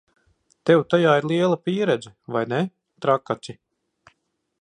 Tev tajā ir liela pieredze, vai ne, Trakaci?